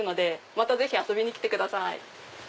またぜひ遊びに来てください。